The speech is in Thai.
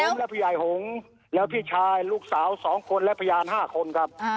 แล้วแล้วพี่ยายหงแล้วพี่ชายลูกสาวสองคนและพยานห้าคนครับอ่า